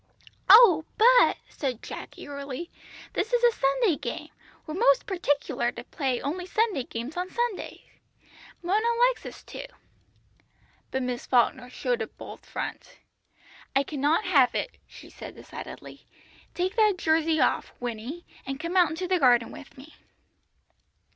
"Oh, but," said Jack eagerly, "this is a Sunday game; we're most partic'lar to play only Sunday games on Sunday. Mona likes us to." But Miss Falkner showed a bold front. "I cannot have it," she said decidedly; "take that jersey off, Winnie, and come out into the garden with me."